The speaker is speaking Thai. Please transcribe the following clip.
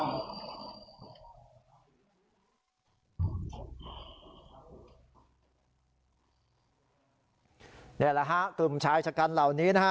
นี่แหละครับกลุ่มชายชะกันเหล่านี้